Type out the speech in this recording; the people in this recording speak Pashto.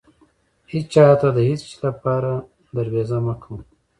هيچا ته د هيڅ شې لپاره درويزه مه کوه.